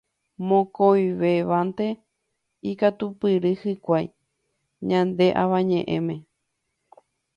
Mokõivévante ikatupyry hikuái ñane Avañe'ẽme.